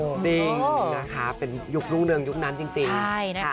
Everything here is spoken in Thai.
จริงนะคะเป็นยุครุ่งเรื่องยุคนั้นจริง